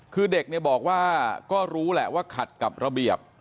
คือเด็กบอกว่าก็รู้แหละว่าขัดกับระเบียบ